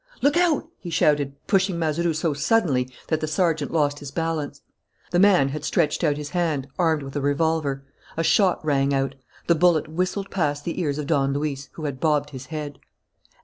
"Look out!" he shouted, pushing Mazeroux so suddenly that the sergeant lost his balance. The man had stretched out his hand, armed with a revolver. A shot rang out. The bullet whistled past the ears of Don Luis, who had bobbed his head.